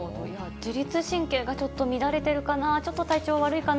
自律神経がちょっと乱れてるかな、ちょっと体調悪いかな